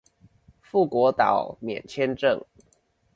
富國島免簽證